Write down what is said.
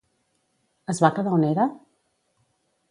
Es va quedar on era?